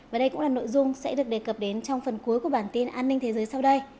và đây cũng là nội dung sẽ được đề cập đến trong phần cuối của bản tin an ninh thế giới sau đây